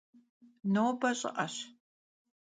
Nobe ş'ı'eş.